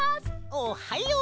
おっはよう！